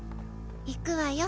行くわよ。